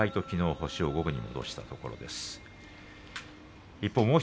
きのう星を五分に戻したところです。